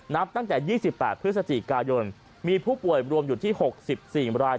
นับตั้งแต่๒๘พฤศจิกายนมีผู้ป่วยรวมอยู่ที่๖๔ราย